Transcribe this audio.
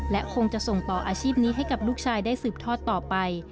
และคงจะส่งต่ออาชีพนี้ให้กับลูกชายได้สืบทอดต่อไป